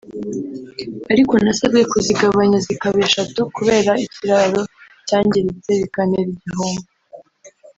ariko nasabwe kuzigabanya zikaba eshatu kubera ikiraro cyangiritse bikantera igihombo